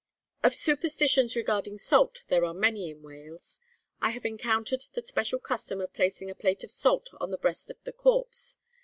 Of superstitions regarding salt, there are many in Wales. I have even encountered the special custom of placing a plate of salt on the breast of the corpse.